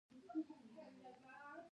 باکتریا او فنجي د تجزیه کوونکو مثالونه دي